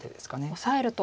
オサえると。